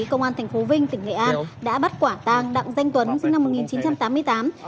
công an tp vinh tỉnh nghệ an đã bắt quả tang đặng danh tuấn sinh năm một nghìn chín trăm tám mươi tám